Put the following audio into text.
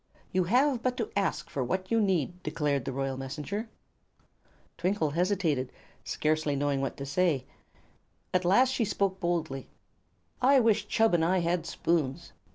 "You have but to ask for what you need," declared the royal Messenger. Twinkle hesitated, scarcely knowing what to say. At last she spoke boldly: "I wish Chub and I had spoons."